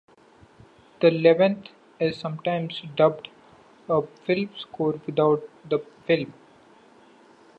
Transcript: The Eleventh is sometimes dubbed "a film score without the film".